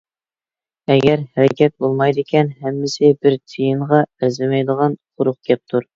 ئەگەر ھەرىكەت بولمايدىكەن، ھەممىسى بىر تىيىنغا ئەرزىمەيدىغان قۇرۇق گەپتۇر.